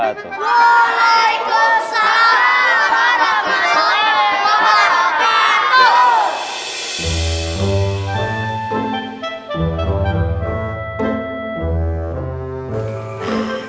waalaikumsalam warahmatullahi wabarakatuh